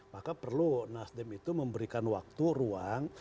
maka perlu nasdem itu memberikan waktu ruang